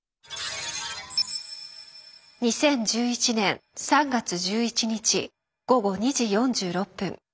２０１１年３月１１日午後２時４６分。